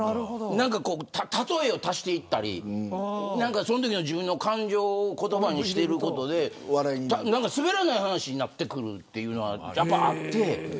例えを足していったりそのときの自分の感情を言葉にしていくことですべらない話になってくるというのはやっぱりあって。